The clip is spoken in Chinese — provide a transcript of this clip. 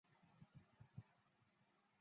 终结辩论的施行在不同的议会各有规定。